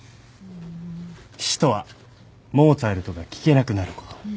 「死とはモーツァルトが聴けなくなること」